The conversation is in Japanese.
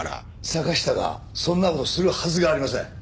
坂下がそんな事するはずがありません。